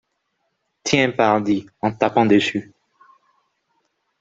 Tiens ! pardi ! en tapant dessus.